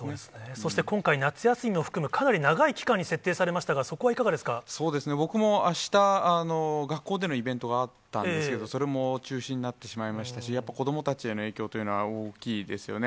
そして今回、夏休みを含むかなり長い期間に設定されましたが、そこはいかがで僕もあした、学校でのイベントがあったんですけど、それも中止になってしまいましたし、やっぱり子どもたちへの影響というのは、大きいですよね。